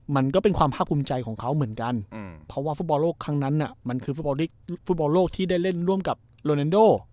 มันก็เป็นความภาคภูมิใจของเขาเหมือนกันเพราะว่าฟุตบอลโลกครั้งนั้นมันคือฟุตบอลโลกที่ได้เล่นร่วมกับโรนันโด